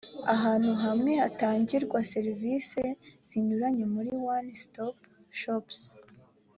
ahantu hamwe hatangirwa serivisi zinyuranye muri one stop shops